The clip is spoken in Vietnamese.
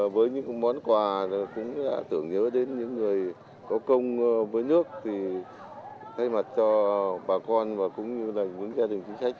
với những món quà cũng tưởng nhớ đến những người có công với nước thì thay mặt cho bà con và cũng như là những gia đình chính sách